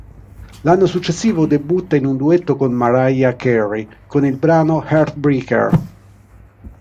L'anno successivo debutta in un duetto con Mariah Carey con il brano Heartbreaker.